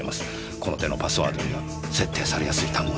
この手のパスワードには設定されやすい単語です。